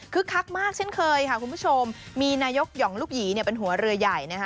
คักมากเช่นเคยค่ะคุณผู้ชมมีนายกห่องลูกหยีเนี่ยเป็นหัวเรือใหญ่นะคะ